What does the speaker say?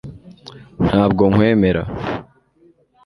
ntabwo nkwemera